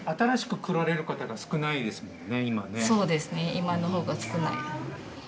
今の方が少ないです。